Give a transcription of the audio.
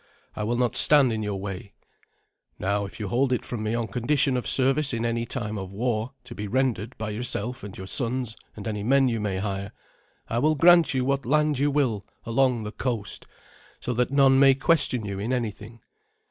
I will not stand in your way. Now, if you will hold it from me on condition of service in any time of war, to be rendered by yourself and your sons and any men you may hire, I will grant you what land you will along the coast, so that none may question you in anything.